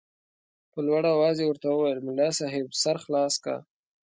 په لوړ اواز یې ورته وویل ملا صاحب سر خلاص که.